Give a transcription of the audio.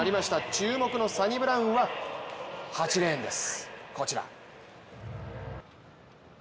注目のサニブラウンは８レーンです